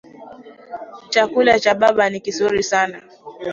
Chakula cha baba ni kizuri sana.